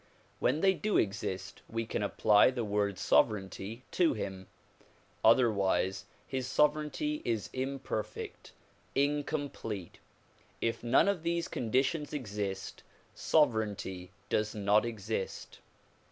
When they do exist we can apply the word sovereignty to him. Otherwise his sovereignty is imperfect, incomplete. If none of these condi tions exist, sovereignty does not exist.